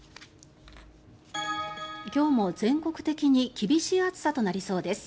今日も全国的に厳しい暑さとなりそうです。